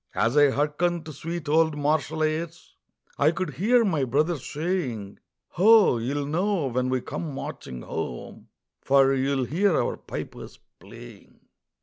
As I hearkened to sweet old martial airs I could hear my brother saying: "Ho! you'll know when we come marching home, For you'll hear our pipers playing."